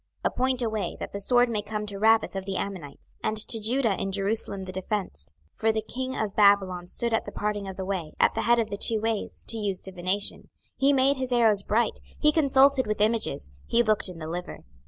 26:021:020 Appoint a way, that the sword may come to Rabbath of the Ammonites, and to Judah in Jerusalem the defenced. 26:021:021 For the king of Babylon stood at the parting of the way, at the head of the two ways, to use divination: he made his arrows bright, he consulted with images, he looked in the liver.